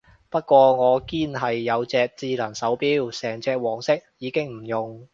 不過我堅係有隻智能手錶，成隻黃色已經唔用